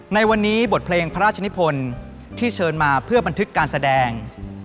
ในวันนี้บทเพลงพระราชนิพลที่เชิญมาเพื่อบันทึกการแสดง